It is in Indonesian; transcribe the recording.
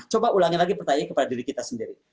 coba ulangi lagi pertanyaan kepada diri kita sendiri